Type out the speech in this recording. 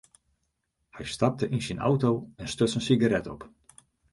Hy stapte yn myn auto en stuts in sigaret op.